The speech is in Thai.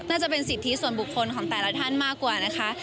น่าจะเป็นสิทธิส่วนบุคคลของแต่ละท่านมากกว่านะคะ